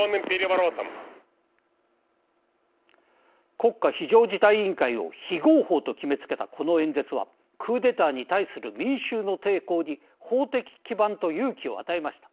国家非常事態委員会を非合法と決めつけたこの演説はクーデターに対する民衆の抵抗に法的基盤と勇気を与えました。